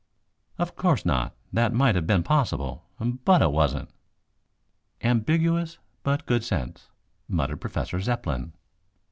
"Of course not. That might have been possible, but it wasn't." "Ambiguous, but good sense," muttered Professor Zepplin.